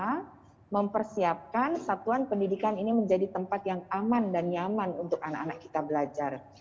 karena mempersiapkan satuan pendidikan ini menjadi tempat yang aman dan nyaman untuk anak anak kita belajar